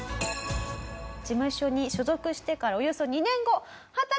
事務所に所属してからおよそ２年後。